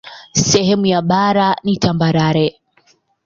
Sehemu ya bara ni tambarare.